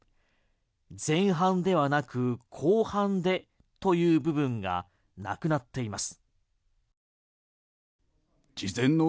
前半ではなく後半でという部分がなくなっています。